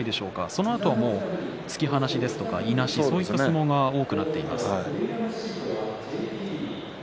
そのあとは突き放しや、いなしそういう相撲が多くなっています。